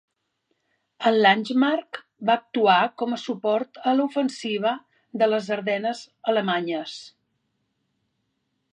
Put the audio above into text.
El "Langemarck" va actuar com a suport a l'ofensiva de les Ardennes alemanyes.